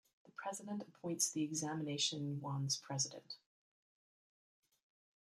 The President appoints the Examination Yuan's President.